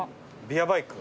ビアバイク？